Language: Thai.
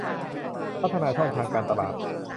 พัฒนาช่องทางการตลาด